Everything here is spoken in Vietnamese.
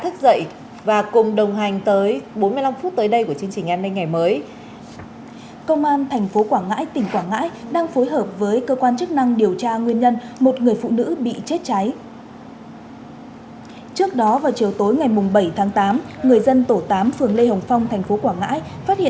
các bạn hãy đăng ký kênh để ủng hộ kênh của chúng mình nhé